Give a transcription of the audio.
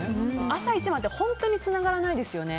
朝一番って本当につながらないですよね。